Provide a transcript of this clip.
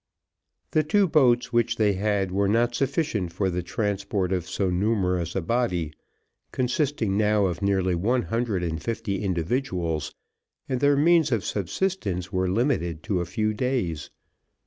The two boats which they had were not sufficient for the transport of so numerous a body, consisting now of nearly one hundred and fifty individuals, and their means of subsistence were limited to a few days.